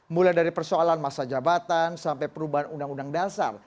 mulai dari persoalan masa jabatan sampai perubahan undang undang dasar